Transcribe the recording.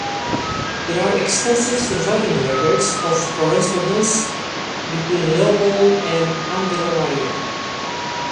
There are extensive surviving records of correspondence between Leopold and Angelo Maria.